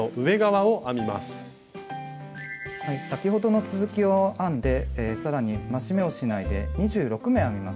先ほどの続きを編んでさらに増し目をしないで２６目編みます。